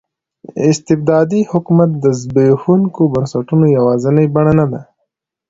استبدادي حکومت د زبېښونکو بنسټونو یوازینۍ بڼه نه ده.